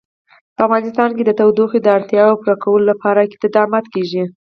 په افغانستان کې د تودوخه د اړتیاوو پوره کولو لپاره اقدامات کېږي.